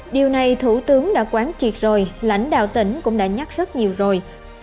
điều này thủ tướng đã quán triệt rồi lãnh đạo tỉnh cũng đã nhắc rất nhiều rồi